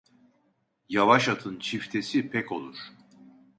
Yavaş atın çiftesi pek olur.